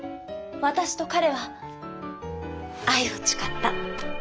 私と彼は愛を誓った。